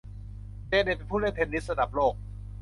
เจเน็ตเป็นผู้เล่นเทนนิสระดับโลก